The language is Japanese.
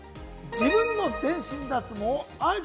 自分の全身脱毛、あり？